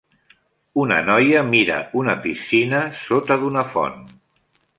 Una noia mira una piscina sota d"una font.